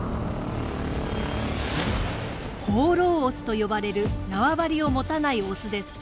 「放浪オス」と呼ばれる縄張りを持たないオスです。